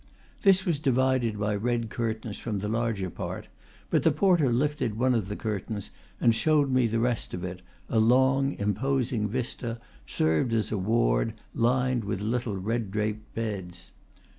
This was divided by red curtains from the larger part; but the porter lifted one of the curtains, and showed me that the rest of it, a long, imposing vista, served as a ward, lined with little red draped beds.